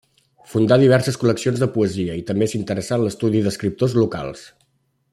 Fundà diverses col·leccions de poesia i també s'interessà en l'estudi d'escriptors locals.